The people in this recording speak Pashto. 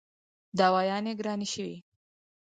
دوايانې ګرانې شوې